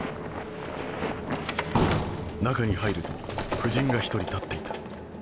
中に入ると夫人が１人立っていた。